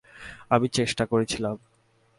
আমি চেষ্টা করেছিলাম।